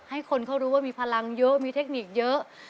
ให้คนเขารู้ว่ามีพลังเยอะมีเทคนิคเยอะ